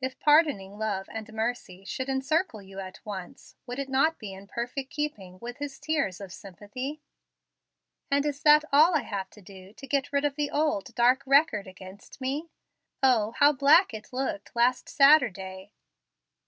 If pardoning love and mercy should encircle you at once, would it not be in perfect keeping with His tears of sympathy?" "And is that all I have to do to get rid of the old, dark record against me? O, how black it looked last Saturday!"